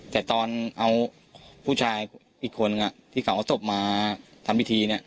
แต่ตอนเอาผู้ชายอีกคนที่เขาเอาศพมาทำพิธีเนี่ย